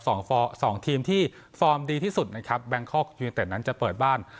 สองสองทีมที่ฟอร์มดีที่สุดนะครับแบงคอกยูนิเต็ดนั้นจะเปิดบ้าน